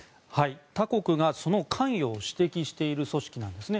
他国が、その関与を指摘している組織なんですね。